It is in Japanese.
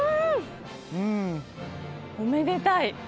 うーん！おめでたい！